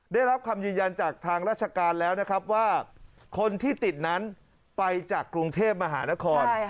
ได้รับคำยืนยันจากทางราชการแล้วนะครับว่าคนที่ติดนั้นไปจากกรุงเทพมหานคร